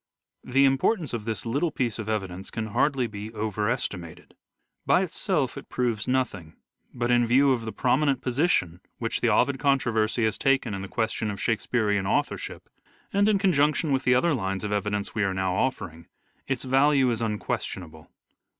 The importance of this little piece of evidence can hardly be over estimated. By itself it proves nothing, but in view of the prominent position which the Ovid controversy has taken in the question of Shakespearean authorship, and in conjunction with the other lines of evidence we are now offering, its value is un questionable.